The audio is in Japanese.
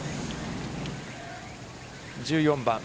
１４番。